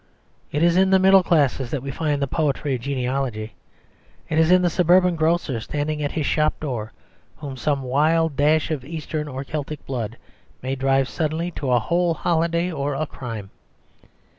It is in the middle classes that we find the poetry of genealogy; it is the suburban grocer standing at his shop door whom some wild dash of Eastern or Celtic blood may drive suddenly to a whole holiday or a crime.